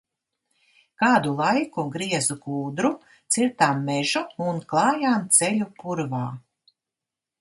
Kādu laiku griezu kūdru, cirtām mežu un klājām ceļu purvā.